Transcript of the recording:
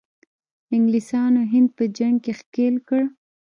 انګلیسانو هند په جنګ کې ښکیل کړ.